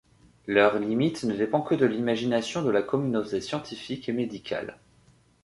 Leur limite ne dépend que de l’imagination de la communauté scientifique et médicale.